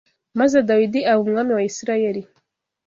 maze Dawidi aba umwami wa Isirayeli